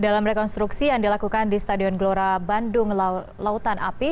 dalam rekonstruksi yang dilakukan di stadion gelora bandung lautan api